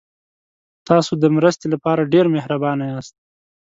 تاسو د مرستې لپاره ډېر مهربانه یاست.